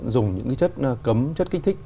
dùng những chất cấm chất kích thích